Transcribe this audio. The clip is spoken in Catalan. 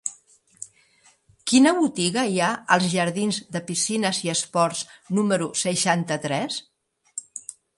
Quina botiga hi ha als jardins de Piscines i Esports número seixanta-tres?